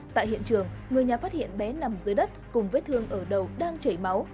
tại hiện trường người nhà phát hiện bé nằm dưới đất cùng vết thương ở đầu đang chảy máu